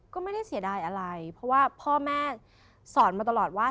ก็ไม่ได้เสียดายอะไรเพราะว่าพ่อแม่สอนมาตลอดว่า